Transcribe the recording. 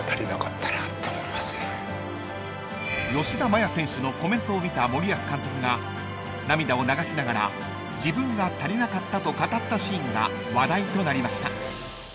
［吉田麻也選手のコメントを見た森保監督が涙を流しながら自分が足りなかったと語ったシーンが話題となりました］